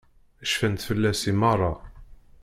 Cfant fell-as i meṛṛa.